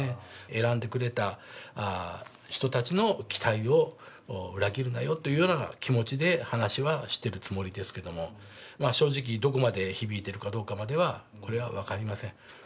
選んでくれた人たちの期待を裏切るなよという気持ちで話はしてるつもりですけど、正直、どこまで響いているかどうかまでは分かりません。